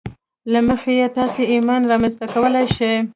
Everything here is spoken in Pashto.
له مخې یې تاسې ایمان رامنځته کولای شئ